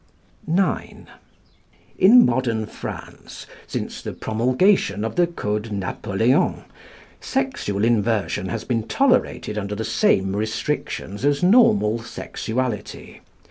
IX. In modern France, since the promulgation of the Code Napoleon, sexual inversion has been tolerated under the same restrictions as normal sexuality.